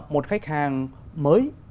một khách hàng mới